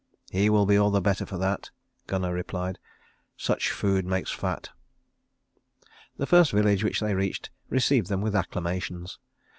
"He will be all the better for that," Gunnar replied. "Such food makes fat." The first village which they reached received them with acclamations.